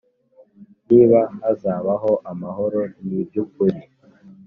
niba hazabaho amahoro n iby ukuri